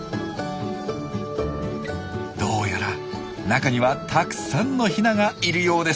どうやら中にはたくさんのヒナがいるようです。